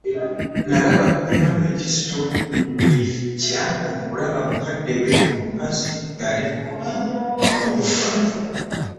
Nnalaba ku Emmanuel Kizito ku lwe Yajja okulaba mukadde we omukazi nga ali kumpi n'okufa.